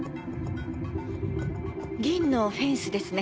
銀のフェンスですね。